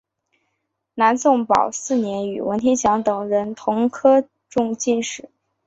南宋宝佑四年与文天祥等人同科中进士。